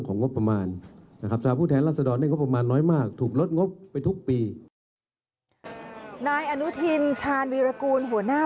นายอนุทินชาญวีรกูลหัวหน้า